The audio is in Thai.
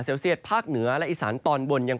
ก็จะมีการแผ่ลงมาแตะบ้างนะครับ